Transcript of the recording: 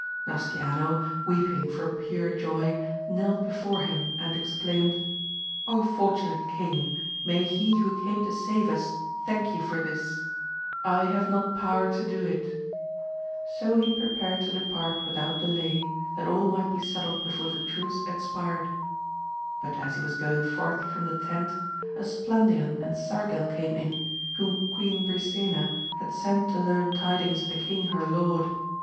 Nasciano, weeping for pure joy, knelt before him, and exclaimed, fortunate king ! may he who came to save us thank you for this ! I have not power to do it. So he prepared to depart with out delay, that all might be settled before the truce expired. But as he was going forth from the tent, Esplandian and Sargil came in, whom Queen Brisena had sent to learn tidings of the king her lord.